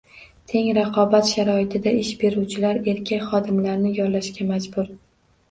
Teng raqobat sharoitida ish beruvchilar erkak xodimlarni yollashga majbur